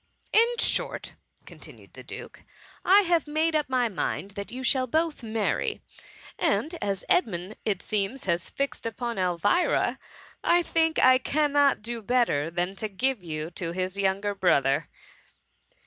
"In short,'' continued the duke, "I have made up my mind that you shall both marry ; THE mummy; 10' and as Edmund it seems has fixed upon Elvira, I think I cannot do better than to give you to his younger brother.